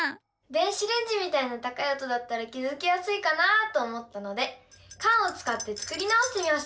電子レンジみたいな高い音だったら気付きやすいかなと思ったのでカンをつかって作り直してみました！